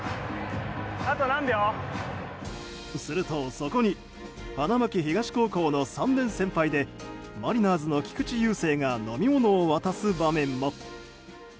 すると、そこに花巻東高校の３年先輩でマリナーズの菊池雄星が飲み物を渡す場面も。